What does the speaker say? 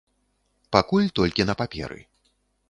Пакуль толькі на паперы.